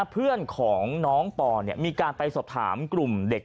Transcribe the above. เพื่อนของน้องปอมีการไปสอบถามกลุ่มเด็ก